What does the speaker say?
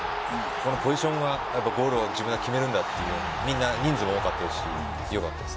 このポジションがゴールを自分が決めるんだというみんな人数多かったですしよかったです。